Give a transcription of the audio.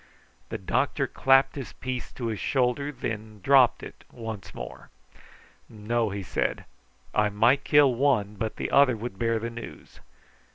The doctor clapped his piece to his shoulder, and then dropped it once more. "No!" he said. "I might kill one, but the other would bear the news.